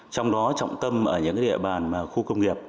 trong đó trọng tâm ở những địa bàn mà khu công nghiệp